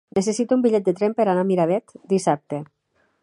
Necessito un bitllet de tren per anar a Miravet dissabte.